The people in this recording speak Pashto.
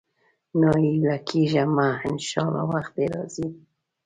ناهيلی کېږه مه، ان شاءالله وخت دې راځي.